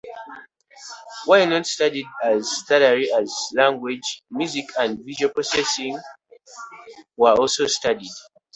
While not studied as thoroughly as language, music and visual processing were also studied.